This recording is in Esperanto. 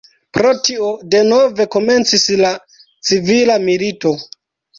Pro tio denove komencis la civila milito.